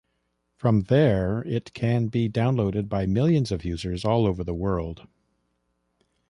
From there, it can be downloaded by millions of users all over the world.